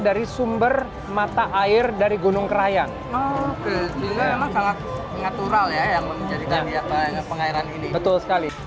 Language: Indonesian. dari sumber mata air dari gunung kraian oh sangat natural ya yang menjadikan di atas pengairan ini